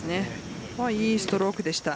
いいストロークでした。